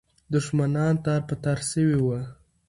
دښمنان تار په تار سوي دي.